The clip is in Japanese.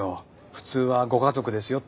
普通はご家族ですよって。